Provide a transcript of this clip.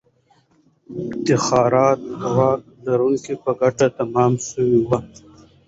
افتخارات د واک لرونکو په ګټه تمام سوي وو.